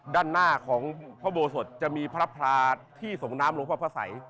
ด้านหน้าของพระโบสถจะมีพระพลาที่ส่งน้ำหลวงพ่อพระสัย